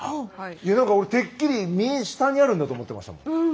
なんか俺てっきり身下にあるんだと思ってましたもん。